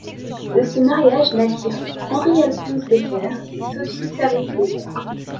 De ce mariage naquirent Henri-Alphonse Deckherr et Sophie-Clarisse Deckherr.